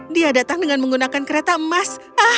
dia datang dengan menggunakan kereta emas